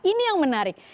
ini yang menarik